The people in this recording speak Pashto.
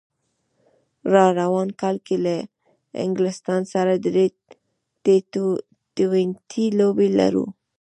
راروان کال کې له انګلستان سره درې ټي ټوینټي لوبې لرو